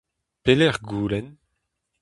Pelec'h goulenn ?